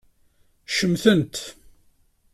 Ccemten-t.